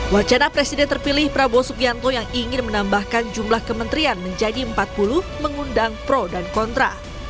wacana presiden terpilih prabowo subianto yang ingin menambahkan jumlah kementerian menjadi empat puluh mengundang pro dan kontra